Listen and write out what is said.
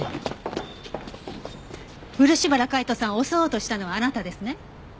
漆原海斗さんを襲おうとしたのはあなたですね？